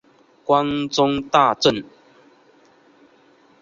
关中大震。